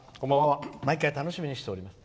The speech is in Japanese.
毎回楽しみにしております。